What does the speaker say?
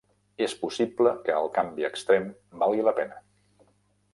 És possible que el canvi extrem valgui la pena.